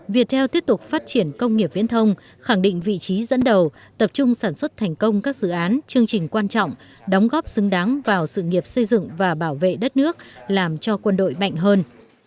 việt theo tiếp tục phát triển công nghiệp viễn thông khẳng định vị trí dẫn đầu tập trung sản xuất thành công các dự án chương trình quan trọng đóng góp xứng đáng vào sự nghiệp xây dựng và bảo vệ đất nước làm cho quân đội mạnh hơn